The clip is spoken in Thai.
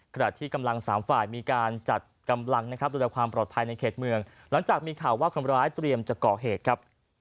ขณะที่กำลังสามฝ่ายมีการจัดกำลังนะครับดูแลความปลอดภัยในเขตเมืองหลังจากมีข่าวว่าคนร้ายเตรียมจะก่อเหตุครับ